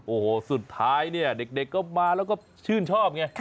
โอ้โหสุดท้ายเนี่ยเด็กก็มาแล้วก็ชื่นชอบไง